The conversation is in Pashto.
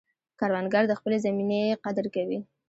کروندګر د خپلې زمینې قدر کوي